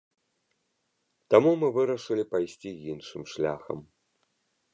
Таму мы вырашылі пайсці іншым шляхам.